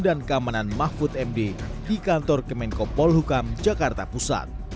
dan kamanan mahfud md di kantor kemenkopol hukam jakarta pusat